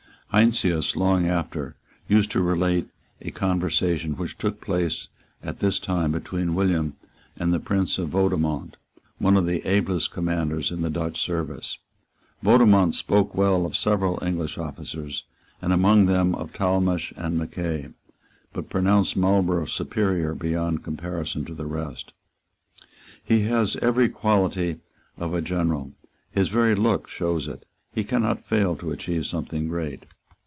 Heinsius, long after, used to relate a conversation which took place at this time between William and the Prince of Vaudemont, one of the ablest commanders in the Dutch service. Vaudemont spoke well of several English officers, and among them of Talmash and Mackay, but pronounced Marlborough superior beyond comparison to the rest. "He has every quality of a general. His very look shows it. He cannot fail to achieve something great."